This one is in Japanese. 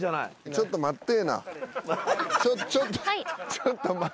ちょっと待って。